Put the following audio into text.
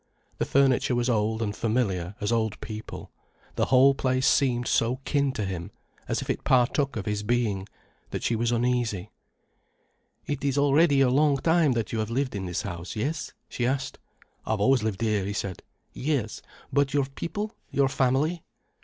The furniture was old and familiar as old people, the whole place seemed so kin to him, as if it partook of his being, that she was uneasy. "It is already a long time that you have lived in this house—yes?" she asked. "I've always lived here," he said. "Yes—but your people—your family?"